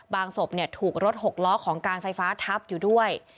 ศพถูกรถหกล้อของการไฟฟ้าทับอยู่ด้วย